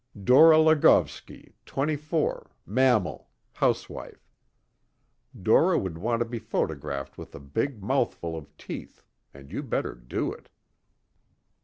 Dora Lagovski, twenty four, mammal, housewife. Dora would want to be photographed with a big mouthful of teeth, and you better do it.